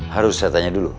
harus saya tanya dulu